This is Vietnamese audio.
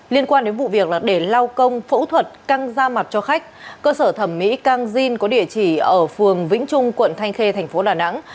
liên quan đến vụ việc để lao công phẫu thuật căng da mặt cho khách cơ sở thẩm mỹ cang jin có địa chỉ ở phường vĩnh trung quận thanh khê thành phố đà nẵng